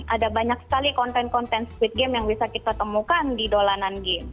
ada banyak sekali konten konten squid game yang bisa kita temukan di dolanan game